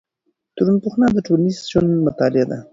ټولنپوهنه د ټولنیز ژوند مطالعه ده.